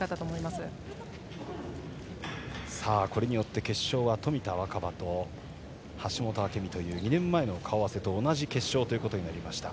これによって決勝は冨田若春と橋本朱未という２年前の顔合わせと同じ決勝となりました。